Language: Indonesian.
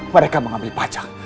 mereka mengambil pajak